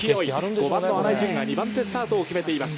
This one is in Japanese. ５番の新井が２番手スタートを決めています。